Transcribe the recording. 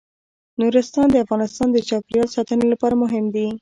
نورستان د افغانستان د چاپیریال ساتنې لپاره مهم دي.